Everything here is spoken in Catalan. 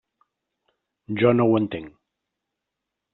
Jo no ho entenc.